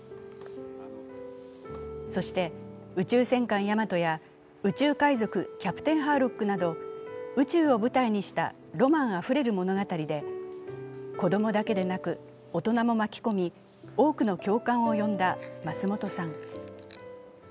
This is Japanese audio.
そして、「宇宙戦艦ヤマト」や「宇宙海賊キャプテンハーロック」など宇宙を舞台にしたロマンあふれる物語で子供だけでなく大人も巻き込み多くの共感を呼んだ松本さん。